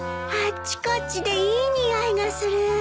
あっちこっちでいい匂いがする。